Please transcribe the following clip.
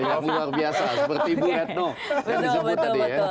yang luar biasa seperti bu etno yang disebut tadi ya